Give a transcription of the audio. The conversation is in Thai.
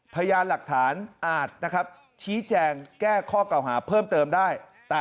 พยานหลักฐานอาจชี้แจงแก้ข้อเก่าหาเพิ่มเติมได้